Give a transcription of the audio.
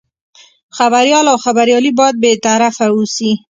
خبریال او خبریالي باید بې طرفه اوسي.